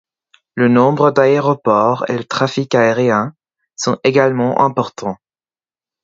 Le nombre d'aéroports et le trafic aérien sont également importants.